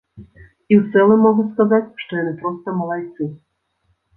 І ў цэлым магу сказаць, што яны проста малайцы.